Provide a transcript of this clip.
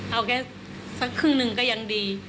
เอาแค่สักครึ่งหนึ่งก็ยังดี